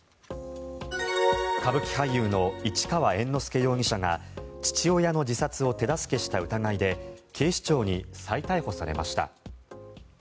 歌舞伎俳優の市川猿之助容疑者が父親の自殺を手助けした疑いで警視庁に再逮捕されました。